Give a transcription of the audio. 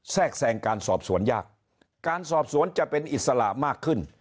แทรกแทรงการสอบสวนยากการสอบสวนจะเป็นอิสระมากขึ้น